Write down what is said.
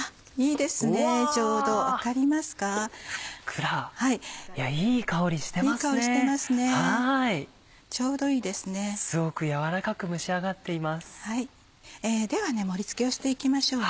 では盛り付けをしていきましょうね。